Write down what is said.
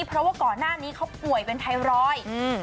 เพราะว่าก่อนหน้านี้เขาป่วยเป็นไทรอยด์อืม